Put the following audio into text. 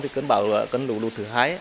thì cấn bảo cấn lũ lụt thứ hai